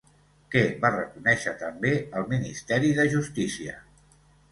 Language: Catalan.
Què va reconèixer també el Ministeri de Justícia?